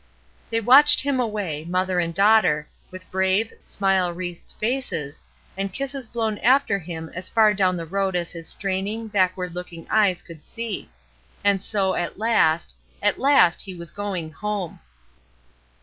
They watched him away, mother and daugh ter, witli brave, smile wreathed faces, and kisses blown after him as far down the road as his straining, backward looking eyes could see; and so, at last — at last he was going home.